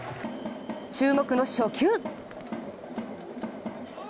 注目の初球。